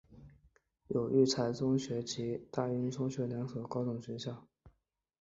有育才中学及大英中学两所高中学院。